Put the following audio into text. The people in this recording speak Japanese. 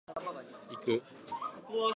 長い戦い、ここで担ぎに行く。